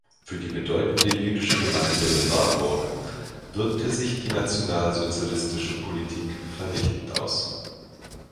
Für die bedeutende jüdische Gemeinde in Warburg wirkte sich die nationalsozialistische Politik vernichtend aus.